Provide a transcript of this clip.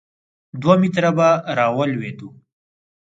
دوه متره به را ولوېدو.